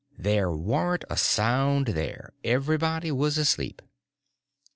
There warn't a sound there; everybody was asleep.